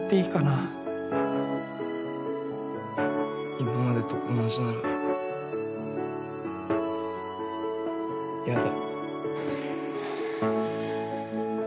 今までと同じならやだ。